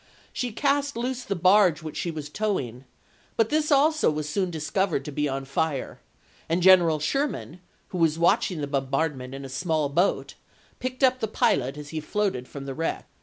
She cast loose the barge which she was towing, but this also was soon discovered to be on fire ; and General Sherman, who was watching the bombardment in a small boat, picked up the pilot as he floated from the wreck.